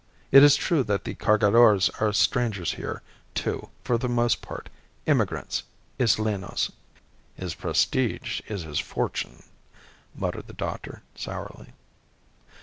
It is true that the Cargadores are strangers here, too, for the most part immigrants, Islenos." "His prestige is his fortune," muttered the doctor, sourly.